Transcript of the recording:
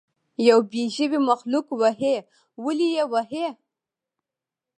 یو بې ژبې مخلوق وهئ ولې یې وهئ.